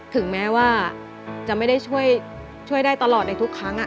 ถึงแม้ว่าจะไม่ได้ช่วยได้ตลอดในทุกครั้ง